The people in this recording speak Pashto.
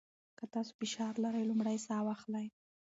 که تاسو فشار لرئ، لومړی ساه واخلئ.